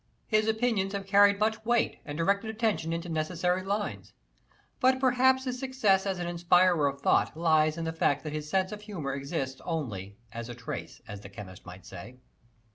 His opinions have carried much weight and directed attention into necessary lines; but perhaps his success as an inspirer of thought lies in the fact that his sense of humor exists only as a trace, as the chemist might say.